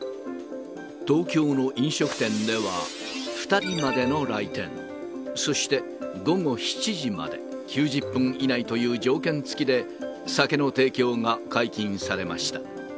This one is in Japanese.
東京の飲食店では、２人までの来店、そして午後７時まで、９０分以内という条件付きで、酒の提供が解禁されました。